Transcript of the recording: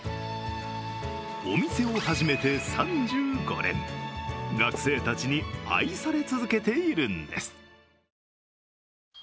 お店を始めて３５年、学生たちに愛され続けているんです。